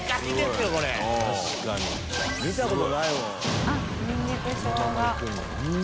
見たことないもん。